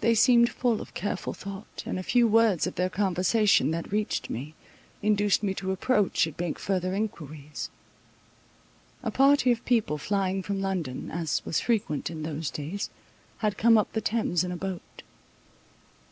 They seemed full of careful thought, and a few words of their conversation that reached me, induced me to approach and make further enquiries. A party of people flying from London, as was frequent in those days, had come up the Thames in a boat.